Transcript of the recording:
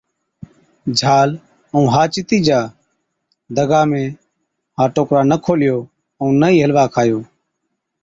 جھال ائُون ها جتِي جا۔ پَر دگا ۾ ها ٽوڪرا نہ کوليو، ائُون نہ ئِي حلوا کائِيو۔